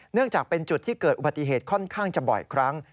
จากเป็นจุดที่เกิดอุบัติเหตุค่อนข้างจะบ่อยครั้ง